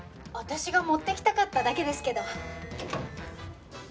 私が持ってきたかっただけですけど。